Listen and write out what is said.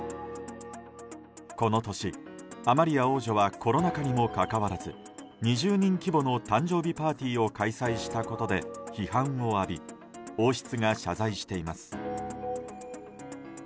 この年、アマリア王女はコロナ禍にもかかわらず２０人規模の誕生日パーティーを開催したことで批判を浴び王室が謝罪しています。